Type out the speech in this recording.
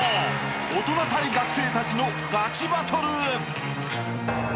大人対学生たちのガチバトル］